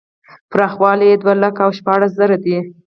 پراخوالی یې دوه لکه او شپاړس زره دی.